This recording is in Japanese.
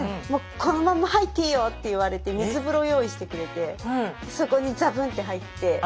「もうこのまんま入っていいよ」って言われて水風呂用意してくれてそこにザブンって入って。